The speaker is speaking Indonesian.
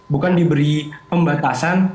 bukan diberi pembatasan